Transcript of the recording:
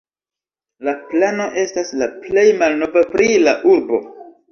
La plano estas la plej malnova pri la urbo.